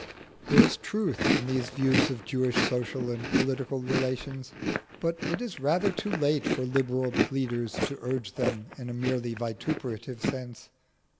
There is truth in these views of Jewish social and political relations. But it is rather too late for liberal pleaders to urge them in a merely vituperative sense.